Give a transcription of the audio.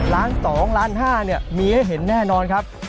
ล้านสองล้านห้ามีให้เห็นแน่นอนครับ